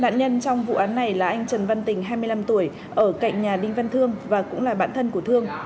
nạn nhân trong vụ án này là anh trần văn tình hai mươi năm tuổi ở cạnh nhà đinh văn thương và cũng là bạn thân của thương